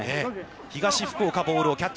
東福岡、ボールをキャッチ。